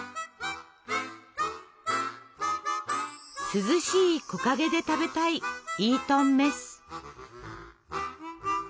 涼しい木陰で食べたいイートンメス。